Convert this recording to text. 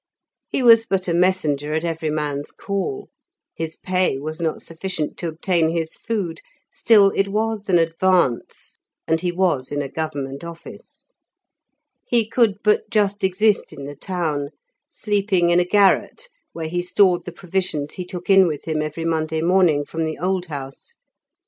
He was but a messenger at every man's call; his pay was not sufficient to obtain his food, still it was an advance, and he was in a government office. He could but just exist in the town, sleeping in a garret, where he stored the provisions he took in with him every Monday morning from the Old House.